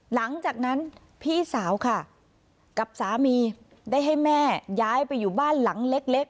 หลังจากนั้นพี่สาวค่ะกับสามีได้ให้แม่ย้ายไปอยู่บ้านหลังเล็ก